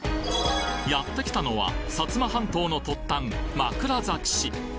やって来たのは薩摩半島の突端、枕崎市。